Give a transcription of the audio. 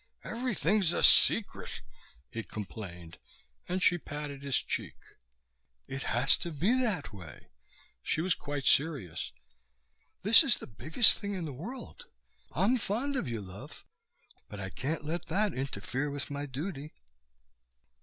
"Everything's a secret," he complained, and she patted his cheek. "It has to be that way." She was quite serious. "This is the biggest thing in the world. I'm fond of you, love, but I can't let that interfere with my duty."